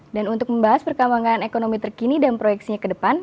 dan untuk membahas perkembangan ekonomi terkini dan proyeksinya ke depan